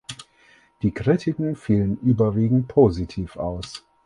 Die Kritiken fielen überwiegend positiv aus.